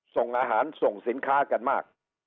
ส่งอาหารส่งสินค้ากันมาก